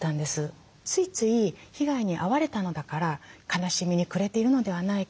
ついつい被害に遭われたのだから悲しみにくれているのではないか。